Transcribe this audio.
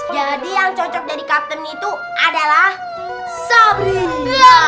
jadi yang cocok jadi katen itu adalah sobrinya